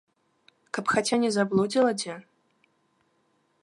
Каб хаця не заблудзіла дзе?